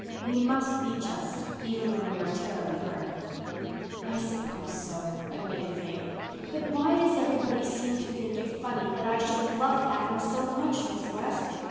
We must be just, even when we are terribly hurt." "I suppose so," admitted Faith. "But why does everybody seem to think it funny that I should have loved Adam so much, Miss West?